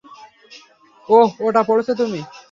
ওহ, ওটা পড়েছ তুমি?